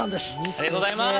ありがとうございます！